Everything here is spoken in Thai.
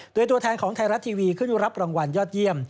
โดยตัวแทนของไทยรัฐทีวีขึ้นรับรางวัลยอดเยี่ยม